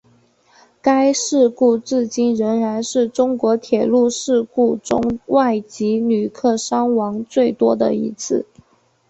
该事故至今仍然是中国铁路事故中外籍旅客伤亡最多的一次。